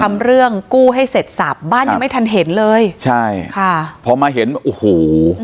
ทำเรื่องกู้ให้เสร็จสับบ้านยังไม่ทันเห็นเลยใช่ค่ะพอมาเห็นโอ้โห